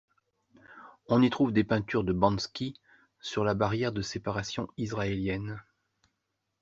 On y trouve des peintures de Banksy, sur la Barrière de séparation israélienne.